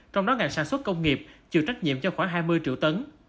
trong đó ngành sản xuất công nghiệp chịu trách nhiệm cho khoảng hai mươi triệu tấn